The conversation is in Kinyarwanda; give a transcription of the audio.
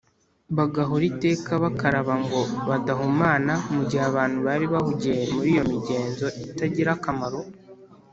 bagahora iteka bakaraba ngo badahumana mu gihe abantu bari bahugiye muri iyo migenzo itagira akamaro,